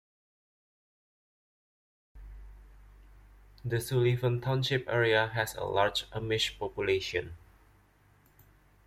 The Sullivan Township area has a large Amish population.